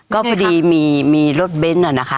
ก็พอดีมีรถเบนท์นะคะ